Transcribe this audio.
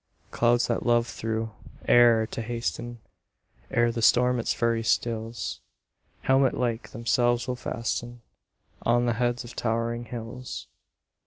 Clouds that love through air to hasten, Ere the storm its fury stills, Helmet like themselves will fasten On the heads of towering hills.